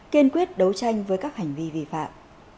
kiên quyết đấu tranh với các hành vi vi phạm